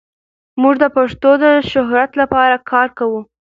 موږ د پښتو د شهرت لپاره کار کوو.